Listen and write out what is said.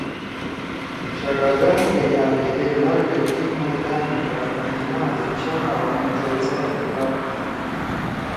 چٹاگانگ گے أویدے لال ڈکھی میدان می فاطمہ جناح عظیم شان عوامی جلسہ ئے خطاب کی